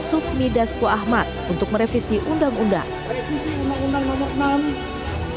sufmi dasku ahmad untuk merevisi undang undang